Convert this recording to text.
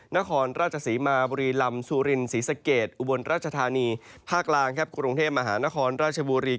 นครราชศรีมาบุรีลำซูรินศรีสะเกดอุบลราชธานีภาคกลางครับกรุงเทพมหานครราชบุรี